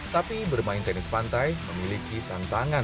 tapi bermain tenis pantai memiliki tantangan